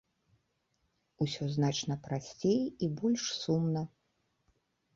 Усё значна прасцей і больш сумна.